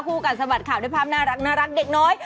กันสะบัดข่าวด้วยภาพน่ารักเด็กน้อย